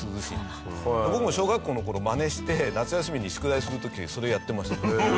僕も小学校の頃まねして夏休みに宿題する時それやってました。